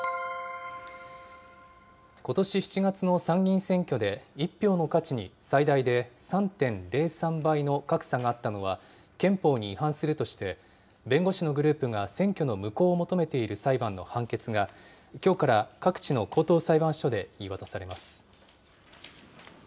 ことし７月の参議院選挙で、１票の価値に最大で３．０３倍の格差があったのは、憲法に違反するとして、弁護士のグループが選挙の無効を求めている裁判の判決が、きょうから各地の高等裁判所で言い渡されます。